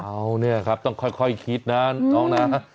เอาเนี่ยครับต้องค่อยคิดนะน้องนะ